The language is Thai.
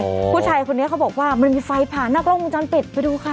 ผู้ชายคนนี้เขาบอกว่ามันมีไฟผ่านหน้ากล้องวงจรปิดไปดูค่ะ